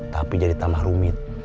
tapi jadi tamah rumit